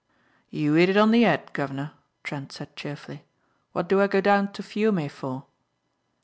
"You 'it it on the 'ed, Guv'ner," Trent said cheerfully. "What do I go down to Fiume for?"